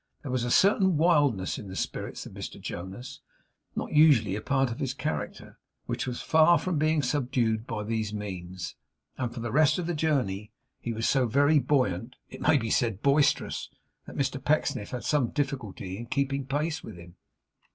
There was a certain wildness in the spirits of Mr Jonas (not usually a part of his character) which was far from being subdued by these means, and, for the rest of the journey, he was so very buoyant it may be said, boisterous that Mr Pecksniff had some difficulty in keeping pace with him.